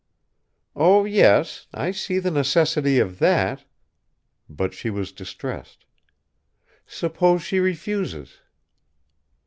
"Oh, yes; I see the necessity of that." But she was distressed. "Suppose she refuses?"